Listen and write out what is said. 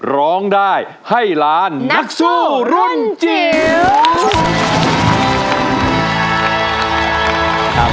ร้องได้ให้ล้านนักสู้รุ่นจิ๋ว